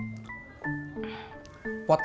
mak traitor dengerin kita